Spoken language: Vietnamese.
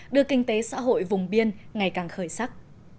đưa kinh tế xã hội vùng biên ngày càng khởi sắc